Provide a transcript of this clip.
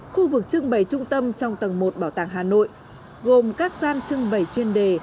khu vực trưng bày trung tâm trong tầng một bảo tàng hà nội gồm các gian trưng bày chuyên đề